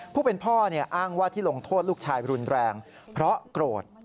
ผู้เป็นพ่ออ้างว่าที่ลงโทษลูกชายรุนแรงเพราะโกรธ